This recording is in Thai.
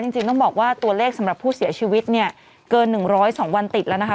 จริงต้องบอกว่าตัวเลขสำหรับผู้เสียชีวิตเนี่ยเกิน๑๐๒วันติดแล้วนะคะ